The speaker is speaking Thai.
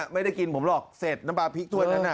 ไม่ได้กินผมหรอกเสร็จน้ำปลาพริกถ้วยนั้น